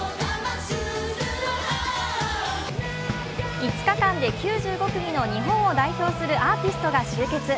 ５日間で９５日の日本を代表するアーティストが集結。